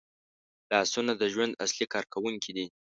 لاسونه د ژوند اصلي کارکوونکي دي